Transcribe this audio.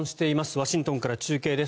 ワシントンから中継です。